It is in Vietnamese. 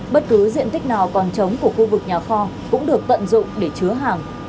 bất cứ diện tích nào còn trống của khu vực nhà kho cũng được tận dụng để chứa hàng